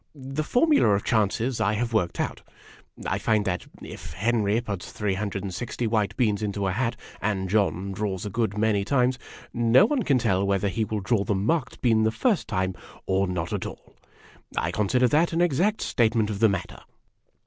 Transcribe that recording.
The formula of chances I have worked out. I find that ' If Henry puts 360 white beans into a hat, and John draws a good many times, no one can tell whether he will draw the marked bean the first time, or not at all.' I consider that an exact statement of the matter."